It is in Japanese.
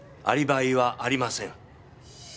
アリバイはありません。